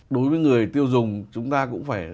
đối với người tiêu dùng chúng ta cũng phải